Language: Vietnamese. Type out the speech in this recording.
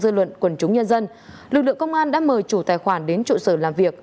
dư luận quần chúng nhân dân lực lượng công an đã mời chủ tài khoản đến trụ sở làm việc